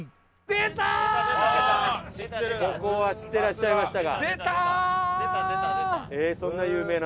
ここは知ってらっしゃいましたか？